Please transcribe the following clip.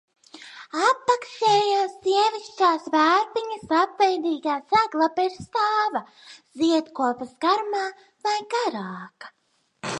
Apakšējās sievišķās vārpiņas lapveidīgā seglapa ir stāva, ziedkopas garumā vai garāka.